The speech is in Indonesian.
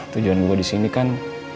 tujuan gue di sini kan